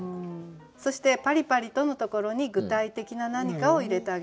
そして「パリパリと」のところに具体的な何かを入れてあげたらいいと。